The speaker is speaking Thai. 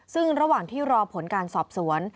ซึ่งระหว่างที่รอผลการสอบสวน